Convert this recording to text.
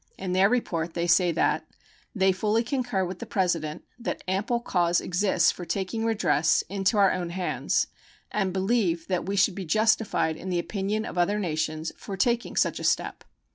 In their report they say that They fully concur with the President that ample cause exists for taking redress into our own hands, and believe that we should be justified in the opinion of other nations for taking such a step.